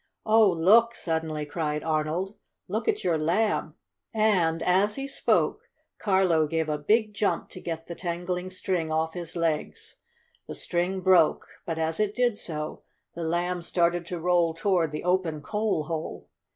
"Oh, look!" suddenly cried Arnold. "Look at your Lamb!" And, as he spoke, Carlo gave a big jump to get the tangling string off his legs. The string broke, but, as it did so, the Lamb started to roll toward the open coal hole.